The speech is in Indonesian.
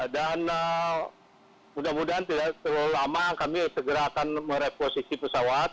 dan mudah mudahan tidak terlalu lama kami segera akan mereposisi pesawat